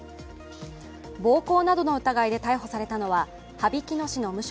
暴行などの疑いで逮捕されたのは羽曳野市の無職